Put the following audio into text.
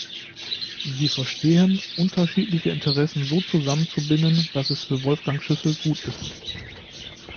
Sie verstehen, unterschiedliche Interessen so zusammenzubinden, dass es für Wolfgang Schüssel gut ist.